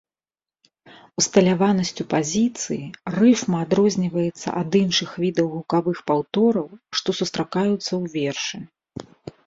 Усталяванасцю пазіцыі рыфма адрозніваецца ад іншых відаў гукавых паўтораў, што сустракаюцца ў вершы.